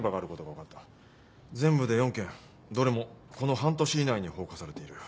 全部で４件どれもこの半年以内に放火されている。